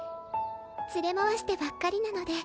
連れ回してばっかりなので